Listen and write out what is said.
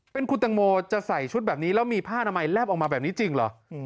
เป็นคุณตังโมจะใส่ชุดแบบนี้แล้วมีผ้านามัยแลบออกมาแบบนี้จริงเหรอ